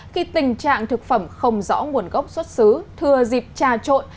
khi tình trạng thực phẩm không rõ nguồn gốc xuất xứ thừa dịp tra trộn